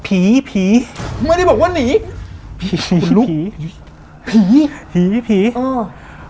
ผีผีไม่ได้บอกว่าหนีผีผีผีผีผีผีเออ